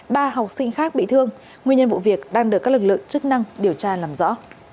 ba học sinh khác bị thương nguyên nhân vụ việc đang được các lực lượng chức năng điều tra làm rõ